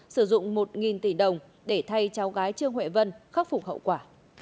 sử dụng một tỷ đồng để thay cháu gái trương huệ vân khắc phục hậu quả